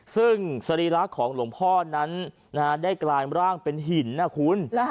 ซึ่งสรีระของหลวงพ่อนั้นได้กลายร่างเป็นหินนะคุณ